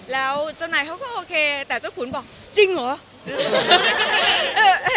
แล้วเจ้านายเขาก็โอเคแต่เจ้าขุนบอกจริงเหรอ